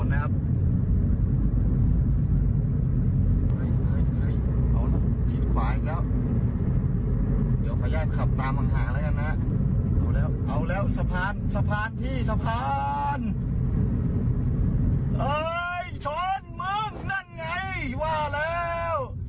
เฮ้ยชนเมืองนั่งไงว่าแล้ว